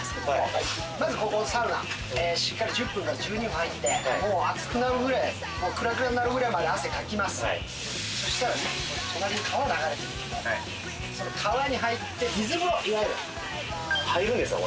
まずここサウナしっかり１０分から１２分入ってもう熱くなるぐらいもうクラクラになるぐらいまで汗かきますはいそしたら隣に川流れてるんでいわゆる入るんですか？